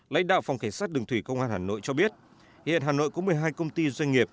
lãnh đạo phòng cảnh sát đường thủy công an hà nội cho biết hiện hà nội có một mươi hai công ty doanh nghiệp